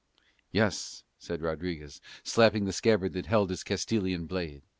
"Yes," said Rodriguez slapping the scabbard that held his Castilian blade.